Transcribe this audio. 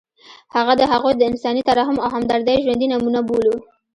هغه د هغوی د انساني ترحم او همدردۍ ژوندۍ نمونه بولو.